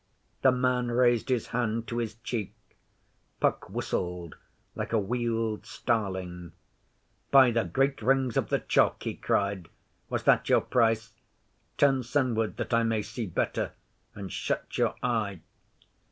The man raised his hand to his cheek. Puck whistled like a Weald starling. 'By the Great Rings of the Chalk!' he cried. 'Was that your price? Turn sunward that I may see better, and shut your eye.